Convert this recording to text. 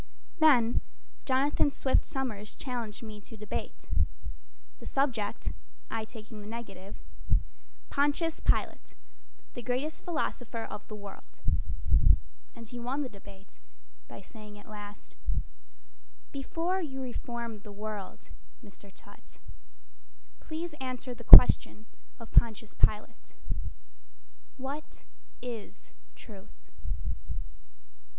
Then Jonathan Swift Somers challenged me to debate The subject, (I taking the negative): "Pontius Pilate, the Greatest Philosopher of the World." And he won the debate by saying at last, "Before you reform the world, Mr. Tutt Please answer the question of Pontius Pilate: "What is Truth?"